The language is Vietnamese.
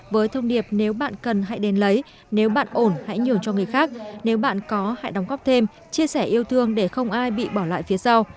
với thông điệp nếu bạn cần hãy đến lấy nếu bạn ổn hãy nhường cho người khác nếu bạn có hãy đóng góp thêm chia sẻ yêu thương để không ai bị bỏ lại phía sau